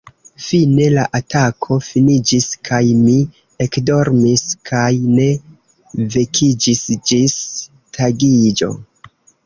Fine, la atako finiĝis, kaj mi ekdormis kaj ne vekiĝis ĝis tagiĝo.